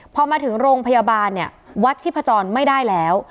พอมาถึงโรงพยาบาลเนี่ยวัดชีพจรไม่ได้แล้ว